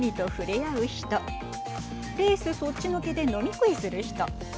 レースそっちのけで飲み食いする人。